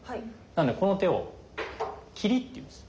なのでこの手を「切り」といいます。